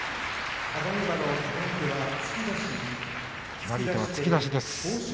決まり手は突き出しです。